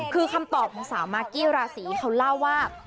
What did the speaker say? คือคำตอบของสาวมากกี้ราศีเขาเล่าว่า